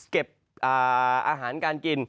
เก็บอาหารการกิน